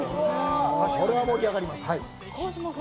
これは盛り上がります。